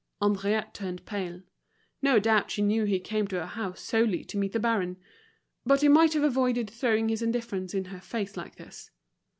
Henriette turned pale. No doubt she knew he came to her house solely to meet the baron; but he might have avoided throwing his indifference in her face like this.